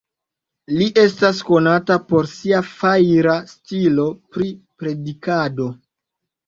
Li estas konata por sia fajra stilo pri predikado.